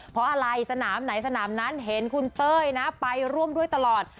เพราะอะไรสนามไหนสนามนั้นเห็นคุณเต้ยนะไปร่วมด้วยตลอด